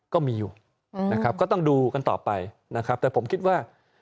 ก็มีอยู่นะครับก็ต้องดูกันต่อไปนะครับแต่ผมคิดว่า